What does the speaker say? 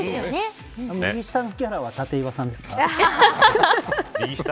右下のキャラは立岩さんですか。